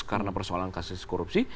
karena persoalan kasus korupsi